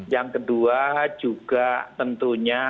yang kedua juga tentunya